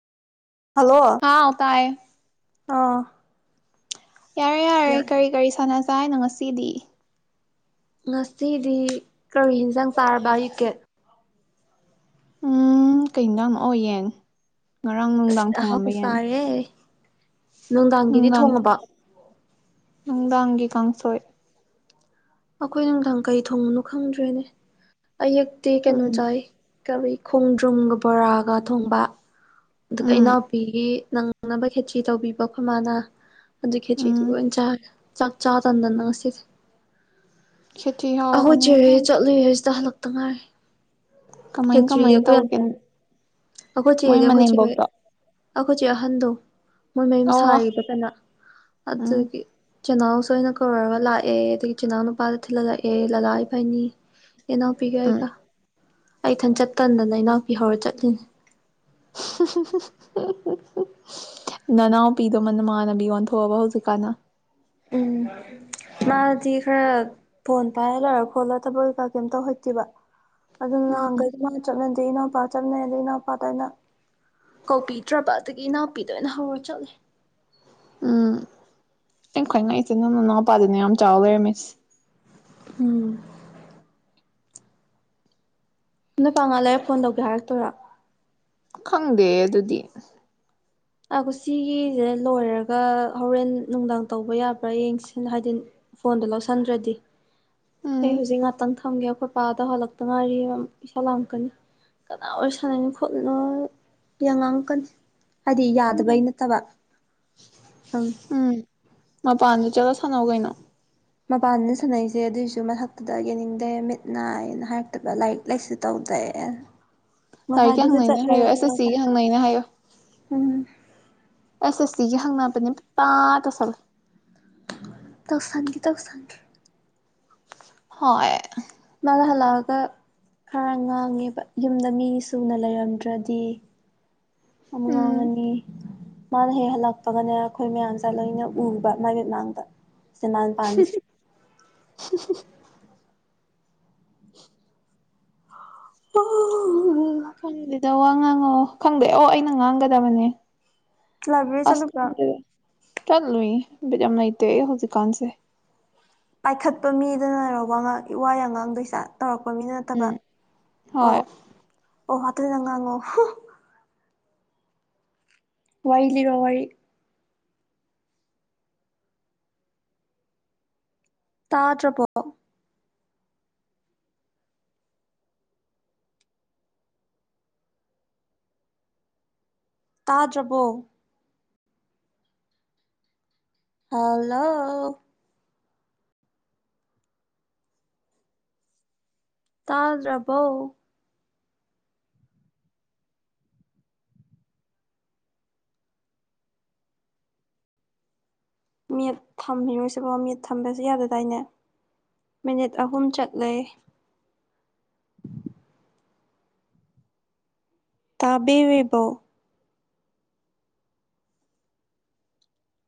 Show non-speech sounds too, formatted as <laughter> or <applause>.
hello ꯍꯥꯎ ꯇꯥꯏꯌꯦ ꯑꯥ ꯌꯥꯔꯦ ꯌꯥꯔꯦ ꯀꯔꯤ ꯀꯔꯤ ꯁꯥꯟꯅꯖ ꯍꯥꯏꯅꯣ ꯉꯁꯤꯗꯤ ꯉꯁꯤꯗꯤ ꯀꯔ ꯍꯟꯖꯥꯡ ꯆꯥꯔꯕ ꯑꯌꯨꯛꯀꯦꯠ ꯎꯝ ꯀꯩꯅꯩꯅꯣꯝꯑꯣꯌꯦꯟ ꯉꯔꯥꯡ ꯑꯁ ꯅꯨꯡꯗꯥꯡ ꯊꯣꯡꯉꯝꯕ ꯑꯍꯥꯎꯕ ꯌꯥꯅꯤ ꯆꯥꯔꯦ ꯅꯨꯡꯗꯥꯡꯒꯤꯗꯤ ꯅꯨꯡꯗꯥꯡ ꯊ ꯊꯣꯡꯉꯕ ꯅꯨꯡꯗꯥꯡꯒꯤ ꯀꯥꯡꯁꯣꯏ ꯑꯩꯈꯣꯏ ꯅꯨꯡꯊꯪ ꯀꯩ ꯊꯣꯡꯉꯨꯅꯣ ꯈꯪꯗ꯭ꯔꯦꯅꯦ ꯑꯛꯇꯤ ꯀꯩꯅꯣ ꯎꯝ ꯆꯥꯏ ꯀꯔꯤ ꯈꯣꯡꯗ꯭ꯔꯨꯝꯒ ꯕꯣꯔꯥꯒ ꯊꯣꯡꯕ ꯑꯗꯨꯒ ꯎꯝ ꯏꯅꯥꯎꯄꯤꯒꯤ ꯅꯪꯅꯕ ꯈꯦꯆꯤ ꯇꯧꯕꯤꯕ ꯐꯃꯥꯅ ꯑꯗꯨ ꯎꯝ ꯈꯦꯆꯤꯗꯨꯒ ꯑꯣꯏꯅ ꯆ ꯆꯥꯛ ꯆꯥ ꯇꯟꯗꯅ ꯉꯁꯤꯁꯦ ꯈꯦꯆꯤ ꯑꯩꯍꯣꯏ ꯍꯥꯎꯕꯅꯦ ꯆꯔꯦ ꯏꯕꯦꯝꯃ ꯆꯠꯂꯨꯏꯦ ꯁꯤꯗ ꯍꯜꯂꯛꯇ ꯉꯥꯏꯔꯦ ꯀꯃꯥꯏ ꯍꯦꯖ꯭ꯔꯤ ꯀꯃꯥꯏ ꯇꯧꯒꯦ ꯌꯦꯈꯣꯏꯇ ꯑꯩꯈꯣꯏ ꯆ ꯃꯣꯏ ꯑꯩꯈꯣꯏ ꯆ ꯃꯅꯦꯝꯕꯣꯛꯇꯣ ꯑꯩꯈꯣꯏ ꯆꯦ ꯑꯍꯟꯗ ꯃꯣꯏ ꯃꯌꯨꯝ ꯑꯣ ꯁꯥꯔꯤꯕ ꯀꯅ ꯎꯝ ꯑꯗꯨꯒꯤ ꯆꯤꯅꯥꯎꯁꯣꯏꯅ ꯀꯧꯔꯒ ꯂꯥꯛꯑꯦ ꯑꯗꯒꯤ ꯆꯤꯅꯥꯎ ꯅꯨꯄꯥꯗ ꯊꯤꯜꯍꯜꯂꯛꯑꯦ ꯂꯂꯥ ꯏꯐꯏꯅꯤ ꯏꯅꯥꯎꯄꯤꯒ ꯎꯝ ꯑꯩꯒ ꯑꯩꯊꯟꯆꯠꯇꯟꯗꯅ ꯏꯅꯥꯎꯄꯤ ꯍꯧꯔ ꯆꯠꯂꯤꯅꯤ <unintelligible> ꯅꯅꯥꯎ ꯄꯤꯗꯧꯃ ꯅꯃꯥꯟꯅꯕꯤ ꯑꯣꯟꯊꯣꯛꯑꯕ ꯍꯧꯖꯤꯛꯀꯥꯟꯗ ꯎꯝ ꯃꯥꯗꯤ ꯈꯔ ꯐꯣꯟ ꯄꯥꯏꯔ ꯂꯩꯔ ꯈꯣꯠꯂ ꯊꯕꯀꯥ ꯀꯩꯝꯇꯧ ꯍꯩꯇꯦꯕ ꯑꯗꯨꯅ ꯎꯝ ꯅꯍꯥꯟꯈꯩꯗꯤ ꯃꯥ ꯆꯠꯅꯗꯦ ꯏꯅꯥꯎꯄꯥ ꯆꯠꯅꯩꯗꯩ ꯏꯅꯥꯎꯄꯥꯇ ꯑꯩꯅ ꯀꯧꯕꯤꯗ꯭ꯔꯕ ꯑꯗꯒꯤ ꯏꯅꯥꯎꯄꯤꯗ ꯑꯣꯏꯅ ꯍꯧꯔ ꯆꯠꯂꯦ ꯅ ꯈ꯭ꯋꯥꯏꯉꯩꯁꯦ ꯅꯪ ꯅ ꯏꯅꯥꯎꯄꯥꯗꯨꯅ ꯌꯥꯝ ꯆꯥꯎꯕ ꯂꯩꯔꯝꯃꯤꯁ ꯎꯝ ꯅ ꯄꯥꯉꯥ ꯂꯩꯔ ꯐꯣꯟ ꯇꯧꯒꯦ ꯍꯥꯏꯔꯛꯇꯣꯏꯔꯥ ꯈꯪꯗꯦ ꯑꯗꯨꯗꯤ ꯑꯥ ꯀ ꯁꯤꯒꯤꯁꯦ ꯂꯣꯏꯔꯒ ꯍꯣꯔꯦꯟ ꯅꯨꯡꯗꯥꯡ ꯇꯧꯕ ꯌꯥꯕ꯭ꯔꯥ ꯌꯦꯡꯁꯤ ꯍꯥꯏꯗꯤ ꯐꯣꯟꯗꯣ ꯂꯧꯁꯟꯗ꯭ꯔꯗꯤ ꯎꯝ ꯑꯩ ꯍꯧꯖꯤꯛ ꯉꯥꯛꯇꯪ ꯊꯝꯒꯦ ꯑꯩꯈꯣꯏ ꯄꯥꯗ ꯍꯜꯂꯛꯇ ꯉꯥꯏꯔꯤ ꯏꯁꯧ ꯂꯥꯡꯉꯛꯀꯅꯤ ꯀꯅꯥ ꯑꯣꯏ ꯁꯥꯟꯅꯅꯣ ꯈꯣꯠꯂꯤꯅꯣ ꯌꯥ ꯉꯥꯡꯉꯛꯀꯅꯤ ꯍꯥꯏꯗꯤ ꯌꯥꯗꯕꯩ ꯅꯠꯇꯕ ꯑꯪ ꯎꯝ ꯃꯄꯥꯟꯗ ꯆꯠꯂ ꯁꯥꯟꯅꯧ ꯀꯩꯅꯣ ꯃꯄꯥꯟꯗ ꯁꯥꯟꯅꯩꯁꯦ ꯑꯗꯨꯑꯣꯏꯁꯨ ꯃꯊꯛꯇꯨꯗ ꯌꯦꯡꯅꯤꯡꯗꯦ ꯃꯤꯠ ꯅꯥꯏꯅ ꯍꯥꯏꯔꯛꯇꯕ ꯂꯥꯏꯔꯤꯛ ꯂꯥꯏꯁꯨ ꯇꯧꯗꯦ <unintelligible> ꯂꯥꯏꯔꯤꯛꯀꯤ ꯉꯁꯥꯏꯗꯨꯁꯨ ꯍꯪꯅꯩꯅ ꯍꯥꯏꯌꯣ ꯆꯠꯂꯨꯔꯒ ꯑꯦꯁ ꯑꯦꯁ ꯁꯤꯒꯤ ꯍꯪꯅꯩꯅ ꯍꯥꯏꯌꯣ ꯎꯝ ꯑꯦꯁ ꯑꯁꯤꯗꯤ ꯌꯥ ꯍꯪꯉꯅꯕꯄ ꯅ ꯇꯥꯛꯒ ꯑꯁꯜ ꯇꯧꯁꯥꯟꯒꯤ ꯇꯧꯁꯪꯈꯤ ꯍꯣꯏ ꯃꯥꯥꯡ ꯍꯜꯂꯑꯒ ꯈꯔ ꯉꯥꯡꯉꯦꯕ ꯌꯨꯝꯗ ꯃꯤ ꯁꯨꯅ ꯂꯩꯔꯝꯗ꯭ꯔꯗꯤ ꯑꯃ ꯎꯝ ꯉꯥꯡꯉꯅꯤ ꯃꯥꯅ ꯍꯦꯛ ꯍꯜꯂꯛꯄꯒꯅꯦ ꯑꯩꯈꯣꯏ ꯃꯌꯥꯝꯁꯦ ꯂꯣꯏꯅ ꯎꯕ ꯃꯥꯏ ꯃꯤꯠꯃꯥꯡꯗ ꯁꯦ ꯃꯥꯅ ꯄꯥꯃꯤꯁꯤ <unintelligible> ꯑꯣ <unintelligible> ꯈꯪꯗꯦꯗ ꯋꯥ ꯉꯥꯡꯉꯣ ꯈꯪꯗꯦ ꯑꯣ ꯑꯩꯅ ꯉꯥꯡꯒꯗꯕꯅꯦ ꯂꯥꯏꯕ꯭ꯔꯦꯔꯤ ꯑꯁ ꯆꯠꯂꯨꯕ꯭ꯔꯣ ꯆꯠꯂꯨꯏ ꯕꯤꯠ ꯌꯥꯝ ꯂꯩꯇꯦ ꯑꯩ ꯍꯧꯖꯤꯛ ꯀꯥꯟꯁꯦ ꯄꯥꯏꯈꯠꯄ ꯃꯤꯗꯅꯔ ꯋꯥꯥꯡ ꯏ ꯋꯥꯏ ꯑ ꯉꯥꯡꯗꯣꯏꯁꯥ ꯇꯧꯔꯛꯄ ꯃꯤꯅ ꯅꯠꯇꯕ ꯎꯝ ꯑꯣ ꯍꯣꯏ ꯑꯣ ꯑꯣ ꯍꯥꯏꯐꯦꯠꯇꯪ ꯉꯥꯡꯉꯣ ꯋꯥꯔꯤ ꯂꯤꯔꯣ ꯋꯥꯔꯤ ꯇꯥꯗ꯭ꯔꯄꯣ ꯇꯥꯗ꯭ꯔꯕꯣ ꯍꯜꯂꯣ ꯇꯥꯗ꯭ꯔꯕꯧ ꯃꯠ ꯊꯝꯃꯤꯔꯣꯏꯁꯤꯕꯣ ꯃꯠ ꯊꯝꯕꯁꯨ ꯌꯥꯗꯗꯥꯏꯅꯦ ꯃꯤꯅꯤꯠ ꯑꯍꯨꯝ ꯆꯠꯂꯦ ꯇꯥꯕꯤꯔꯤꯕꫭ